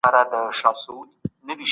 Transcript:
ادئب هغه څوک دئ چي تخلیقي ادب رامنځته کوي.